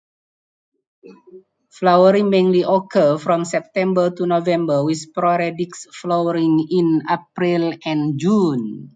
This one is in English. Flowering mainly occurs from September to November with sporadic flowering in April and June.